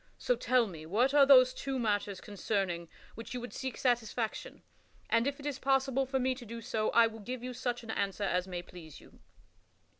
So tell me what are those two matters concerning which you would seek satisfaction, and, if it is possible for me to do so, I will give you such an answer as may please you."